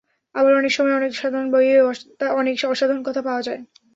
আবার অনেক সময় অনেক সাধারণ বইয়েও অনেক অসাধারণ কথা পাওয়া যায়।